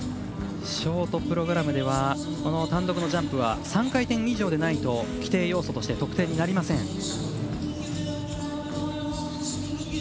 ショートプログラムでは単独のジャンプは３回転以上でないと規定要素として得点になりません。